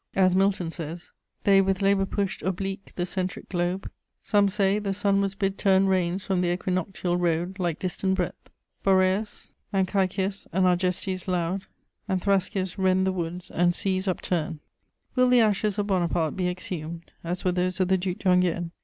As Milton says: They with labour push'd Oblique the centric Globe: some say, the Sun Was bid turn reins from th' equinoctial road Like distant breadth. ............ Boreas and Cæcias and Argestes loud And Thrascias rend the woods, and seas upturn. Will the ashes of Bonaparte be exhumed, as were those of the Duc d'Enghien?